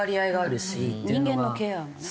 人間のケアもね。